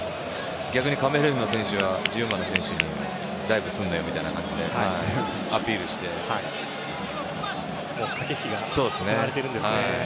逆にカメルーンの選手は１４番の選手にダイブするなよみたいな感じでもう駆け引きが行われているんですね。